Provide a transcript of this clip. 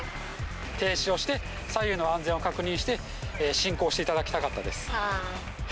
停止をして、左右の安全を確認して、進行していただきたかったです。